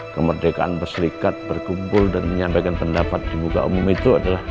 kemerdekaan berserikat berkumpul dan menyampaikan pendapat di muka umum itu adalah